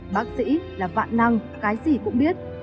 bác sĩ là vạn năng cái gì cũng biết